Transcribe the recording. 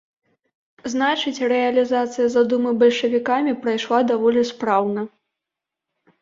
Значыць, рэалізацыя задумы бальшавікамі прайшла даволі спраўна.